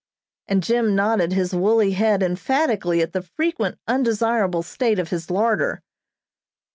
and Jim nodded his woolly head emphatically at the frequent undesirable state of his larder.